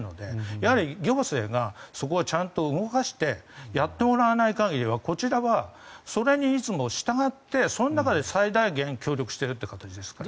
やはり行政がそこはちゃんと動かしてやってもらわない限りはこちらはそれにいつも従ってその中で最大限協力しているという形ですから。